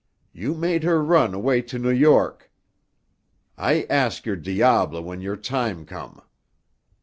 You made her run 'way to New York. I ask your diable when your time come.